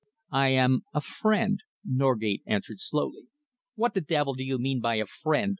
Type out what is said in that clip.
"I am a friend," Norgate answered slowly. "What the devil do you mean by 'a friend'?"